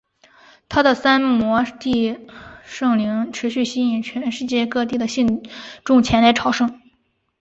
他的三摩地圣陵持续吸引全世界各地的信众前来朝圣。